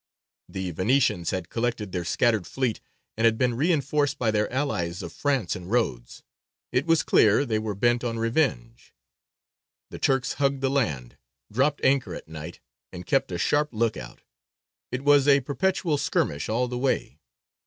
The Venetians had collected their scattered fleet, and had been reinforced by their allies of France and Rhodes; it was clear they were bent on revenge. The Turks hugged the land, dropped anchor at night, and kept a sharp look out. It was a perpetual skirmish all the way.